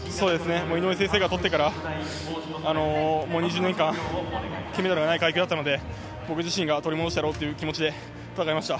井上先生がとってから２０年間金メダルがない階級だったので僕自身が取り戻してやろうという気持ちで戦いました。